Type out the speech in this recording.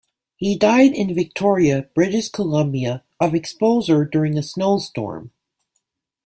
He died in Victoria, British Columbia of exposure during a snowstorm.